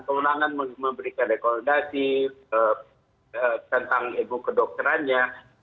kewenangan memberikan rekomendasi tentang ibu kedokterannya